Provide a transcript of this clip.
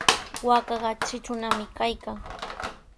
Waakaqa tritrunami kaykan.